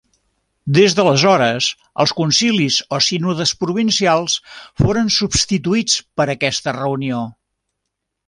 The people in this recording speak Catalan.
Des d'aleshores, els concilis o sínodes provincials foren substituïts per aquesta reunió.